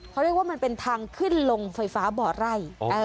เขาเรียกว่ามันเป็นทางขึ้นลงไฟฟ้าบ่อไร่